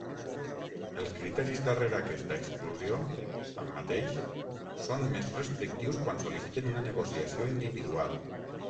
Els criteris darrera aquesta exclusió, tanmateix, són més restrictius quan sol·liciten una negociació individual.